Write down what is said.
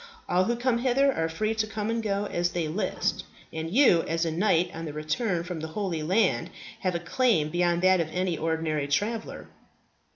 All who come hither are free to come and go as they list, and you, as a knight on the return from the Holy Land, have a claim beyond that of an ordinary traveller."